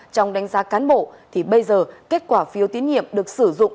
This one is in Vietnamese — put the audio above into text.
trong đánh giá cán bộ thì bây giờ kết quả phiêu tiến nhiệm được sử dụng